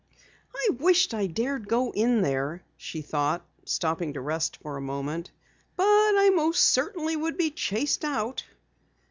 "I wish I dared go in there," she thought, stopping to rest for a moment. "But I most certainly would be chased out."